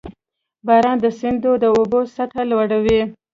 • باران د سیندونو د اوبو سطحه لوړوي.